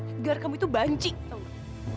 edgar kamu itu banci tau gak